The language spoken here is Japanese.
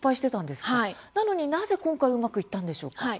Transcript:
なのに、なぜ今回はうまくいったんでしょうか。